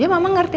iya mama ngerti